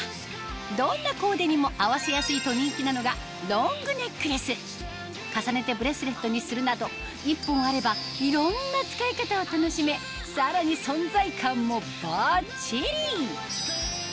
どんなコーデにも合わせやすいと人気なのが重ねてブレスレットにするなど一本あればいろんな使い方を楽しめさらに存在感もバッチリ！